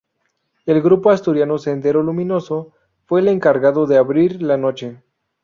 El grupo asturiano Sendero Luminoso fue el encargado de abrir la noche.